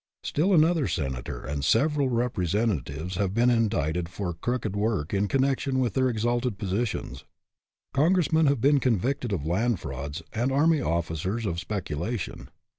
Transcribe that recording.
Still another senator and several representatives have been indicted for crooked work in connection with their exalted positions. Congressmen have been convicted of land frauds and army officers of peculation.